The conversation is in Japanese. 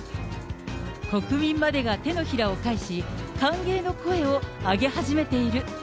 国民までが手のひらを返し、歓迎の声を上げ始めている。